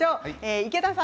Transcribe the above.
池田さん